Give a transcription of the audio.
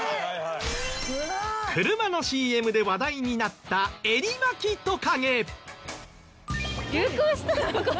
車のＣＭで話題になったエリマキトカゲ。